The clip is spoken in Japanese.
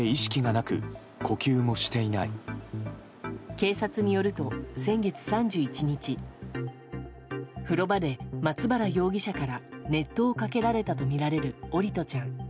警察によると先月３１日風呂場で松原容疑者から熱湯をかけられたとみられる桜利斗ちゃん。